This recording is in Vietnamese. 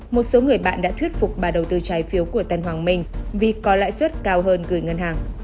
một số người bạn đã thuyết phục bà đầu tư trái phiếu của tân hoàng minh vì có lãi suất cao hơn gửi ngân hàng